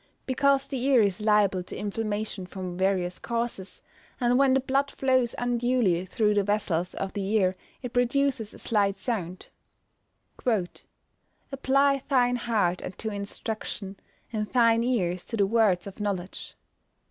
_ Because the ear is liable to inflammation from various causes, and when the blood flows unduly through the vessels of the ear it produces a slight sound. [Verse: "Apply thine heart unto instruction, and thine ears to the words of knowledge."